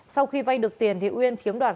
sau khi vay được tiền uyên chiếm đoạt số